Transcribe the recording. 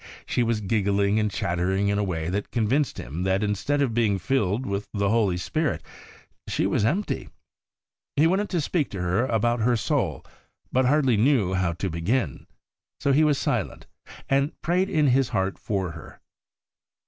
She was giggling and chatter ing in a way that convinced him that instead of being filled with the Holy Spirit she was empty. He wanted to speak to her about her soul, but hardly knew how to begin, so he was silent, and prayed in his heart for her.